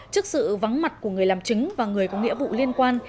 trước sự vắng mặt của người làm chứng và người có nghĩa vụ liên quan